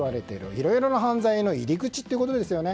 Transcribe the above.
いろいろな犯罪の入り口ってことですね。